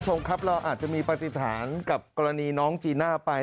คุณผู้ชมครับเราอาจจะมีปฏิฐานกับกรณีน้องจีน่าไป